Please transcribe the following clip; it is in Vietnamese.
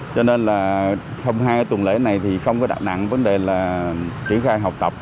cho nên là hôm hai tuần lễ này không có nặng vấn đề là triển khai học tập